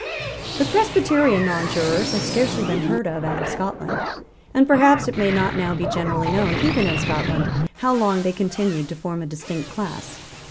The Presbyterian nonjurors have scarcely been heard of out of Scotland; and perhaps it may not now be generally known, even in Scotland, how long they continued to form a distinct class.